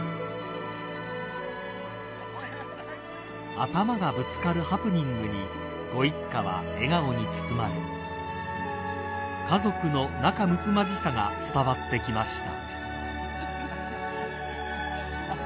［頭がぶつかるハプニングにご一家は笑顔に包まれ家族の仲むつまじさが伝わってきました］